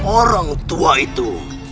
orang tua itu